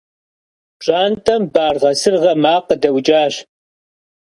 Пщӏантӏэм баргъэ-сыргъэ макъ къыдэӏукӏащ.